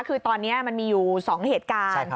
คือตอนนี้มันมีอยู่๒เหตุการณ์